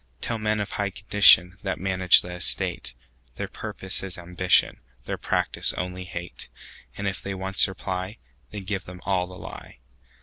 Tell men of high condition, That manage the estate, Their purpose is ambition, Their practice only hate:And if they once reply, Then give them all the lie.